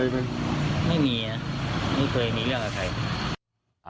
ไม่มีนะไม่เคยมีเรื่องกับใคร